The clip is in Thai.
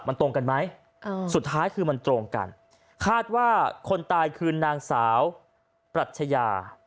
มันตรงกันไหมสุดท้ายคือมันตรงกันคาดว่าคนตายคือนางสาวปรัชญา